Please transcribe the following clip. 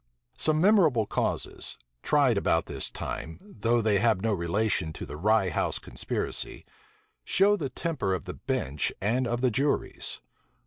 Some memorable causes, tried about this time, though they have no relation to the Rye house conspiracy, show the temper of the bench and of the juries.